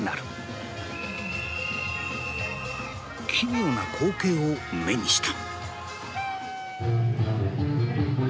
奇妙な光景を目にした。